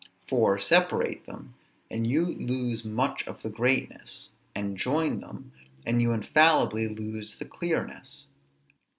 For separate them, and you lose much of the greatness; and join them, and you infallibly lose the clearness.